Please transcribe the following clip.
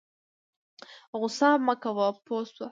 غوسه مه کوه پوه شه